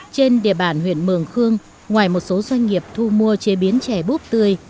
trên địa bản huyện mường khương ngoài một số doanh nghiệp thu mua chế biến chè búp tươi